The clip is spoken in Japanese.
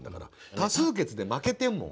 多数決で負けてんもん。